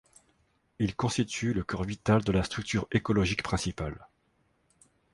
Il constituent le cœur vital de la structure écologique principale.